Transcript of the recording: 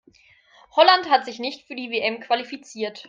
Holland hat sich nicht für die WM qualifiziert.